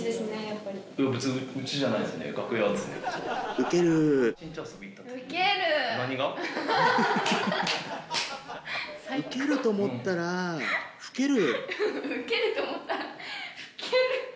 ウケると思ったら老ける。